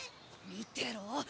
見てろ！